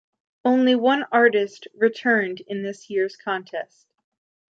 Only one artist returned in this year's contest.